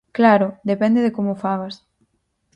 Claro, depende de como o fagas.